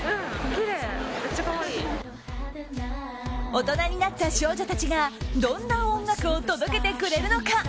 大人になった少女たちがどんな音楽を届けてくれるのか？